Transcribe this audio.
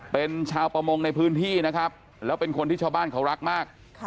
เป็นชาวประมงในพื้นที่นะครับแล้วเป็นคนที่ชาวบ้านเขารักมาก